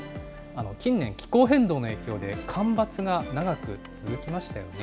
近年、気候変動の影響で干ばつが長く続きましたよね。